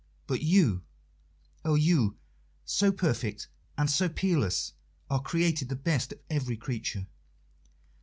But you oh, you, so perfect and so peerless! are created the best of every creature!"